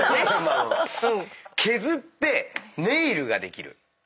削ってネイルができる。